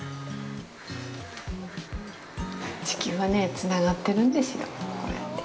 地球はね、つながってるんですよ、こうやって。